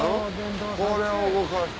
これを動かして。